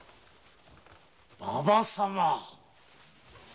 馬場様？